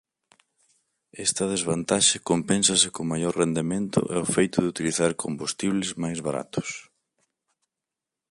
Esta desvantaxe compénsase co maior rendemento e o feito de utilizar combustibles máis baratos.